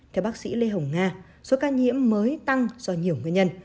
theo bác sĩ lê hồng nga số ca nhiễm mới tăng do nhiều nguyên nhân